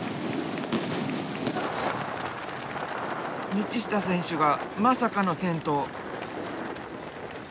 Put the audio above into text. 道下選手がまさかの転倒。